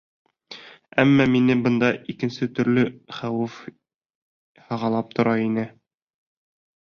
Әммә мине бында икенсе төрлө хәүеф һағалап тора ине.